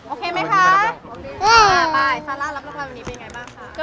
โอเคมั้ยคะ